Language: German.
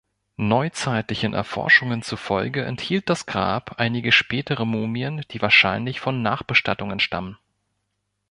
Neuzeitlichen Erforschungen zufolge enthielt das Grab einige „spätere“ Mumien, die wahrscheinlich von Nachbestattungen stammen.